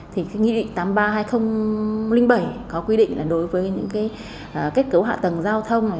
thì cái nghị định tám mươi ba hai nghìn bảy có quy định là đối với những cái kết cấu hạ tầng giao thông